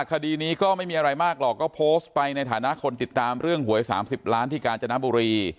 คดีนี้ก็ไม่มีอะไรมากหรอกก็โพสต์ไปในฐานะคนติดตามเรื่องหวย๓๐ล้านที่กาญจนบุรี